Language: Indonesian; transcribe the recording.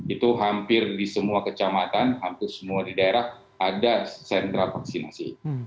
itu hampir di semua kecamatan hampir semua di daerah ada sentra vaksinasi